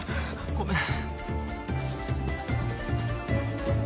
ごめん。